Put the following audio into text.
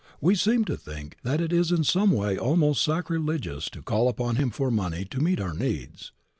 We seem to think that it is in some way almost sacrilegious to call upon Him for money to meet our needs.